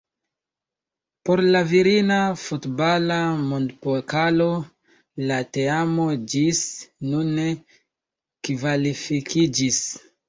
Por la Virina Futbala Mondpokalo la teamo ĝis nun ne kvalifikiĝis.